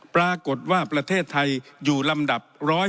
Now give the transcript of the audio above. ปรากฏว่าประเทศไทยอยู่ลำดับ๑๐